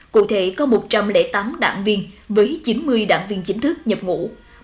cụ thể có một trăm linh tám đảng viên với chín mươi đảng viên chính thức nhập ngũ